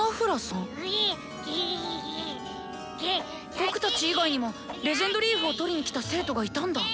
僕たち以外にも「レジェンドリーフ」をとりに来た生徒がいたんだ！